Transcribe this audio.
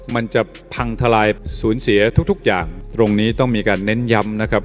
มันจะพังทลายสูญเสียทุกทุกอย่างตรงนี้ต้องมีการเน้นย้ำนะครับ